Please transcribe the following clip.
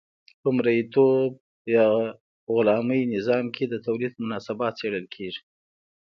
په مرئیتوب یا غلامي نظام کې د تولید مناسبات څیړل کیږي.